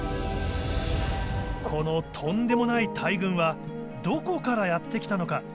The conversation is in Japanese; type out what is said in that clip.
このとんでもない大群はどこからやって来たのか？